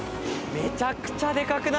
めちゃくちゃでかくないですか？